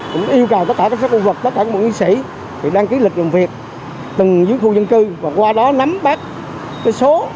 cũng yêu cầu tất cả các sát khu vực tất cả các bộ nghị sĩ thì đăng ký lịch dụng việc từ dưới khu dân cư và qua đó nắm bắt cái số